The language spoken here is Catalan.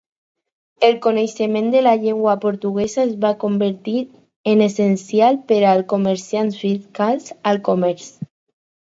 El coneixement de la llengua portuguesa es va convertir en essencial per als comerciants ficats al comerç.